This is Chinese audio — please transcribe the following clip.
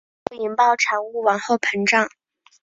之后引爆产物往后膨胀。